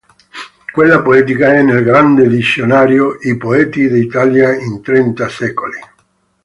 Quella poetica è nel grande dizionario "I Poeti d'Italia in trenta secoli".